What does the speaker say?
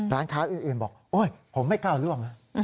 ร้านค้าอื่นบอกผมไม่กล้าล่วง